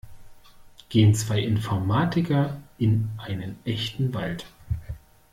Gehen zwei Informatiker in einen echten Wald.